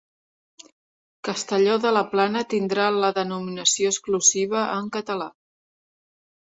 Castelló de la Plana tindrà la denominació exclusiva en català